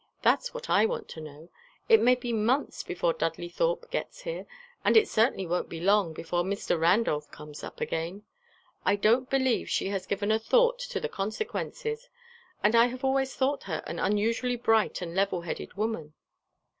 That's what I want to know. It may be months before Dudley Thorpe gets here, and it certainly won't be long before Mr. Randolph comes up again. I don't believe she has given a thought to the consequences and I have always thought her an unusually bright and level headed woman."